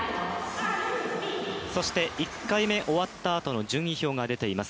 そして１回目終わったあとの順位表が出ています。